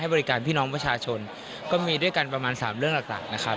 ให้บริการพี่น้องประชาชนก็มี๓เรื่องหลักกลากนะครับ